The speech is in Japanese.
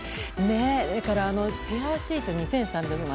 だから、ペアシート２３００万。